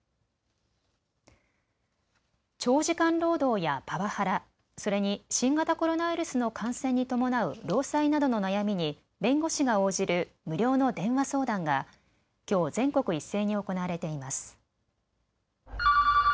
長時間労働やパワハラ、それに新型コロナウイルスの感染に伴う労災などの悩みに弁護士が応じる無料の電話相談がきょう全国一斉に行われています。